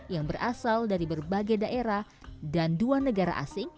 yang berasal dari berbagai daerah dan dua negara asing